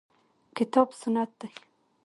کتاب سنت دي.